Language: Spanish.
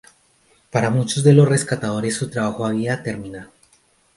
Para muchos de los rescatadores, su trabajo había terminado.